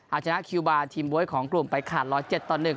อาจจะน่าคิวบารทีมบ๊วยของกลุ่มไปขาดร้อยเจ็ดต่อหนึ่ง